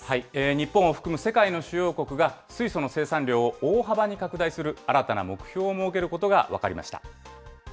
日本を含む世界の主要国が、水素の生産量を大幅に拡大する新たな目標を掲げることが分かりました。